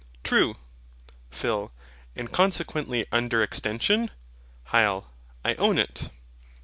True. PHIL. And consequently under extension? HYL. I own it.